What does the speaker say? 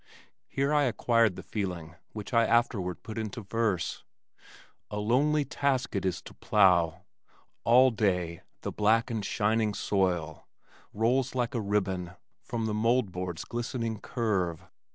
Here I acquired the feeling which I afterward put into verse A lonely task it is to plow! All day the black and shining soil Rolls like a ribbon from the mold board's Glistening curve.